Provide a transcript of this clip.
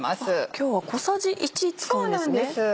今日は小さじ１使うんですね。